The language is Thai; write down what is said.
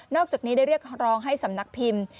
อกจากนี้ได้เรียกร้องให้สำนักพิมพ์